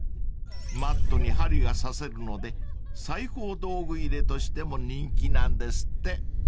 ［マットに針が刺せるので裁縫道具入れとしても人気なんですって］